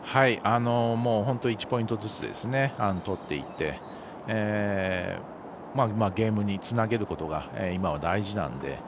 本当に１ポイントずつ取っていってゲームにつなげることが今は大事なんで。